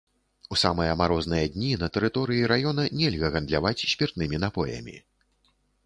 У самыя марозныя дні на тэрыторыі раёна нельга гандляваць спіртнымі напоямі.